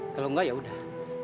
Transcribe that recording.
kalau enggak yaudah